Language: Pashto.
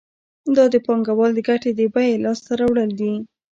دا د پانګوال د ګټې د بیې لاس ته راوړل دي